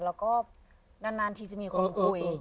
เราก็นานทีจะมีคนคุย